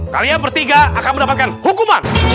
kalian bertiga akan mendapatkan hukuman